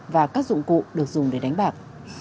và các dụng cụ được dùng để đánh bạc